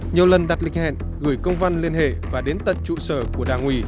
nhiều lần đặt lịch hẹn gửi công văn liên hệ và đến tận trụ sở của đảng ủy